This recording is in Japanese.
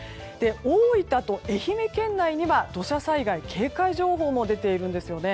大分と愛媛県内には土砂災害警戒情報も出ているんですよね。